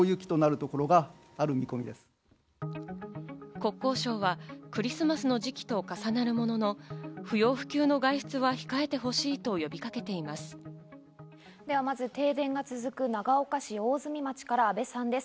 国交省はクリスマスの時期と重なるものの、不要不急の外出は控えてほしいと呼びかけています。